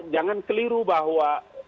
jangan keliru bahwa